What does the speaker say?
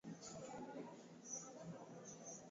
Kazi aliyofanya ni mbovu sana.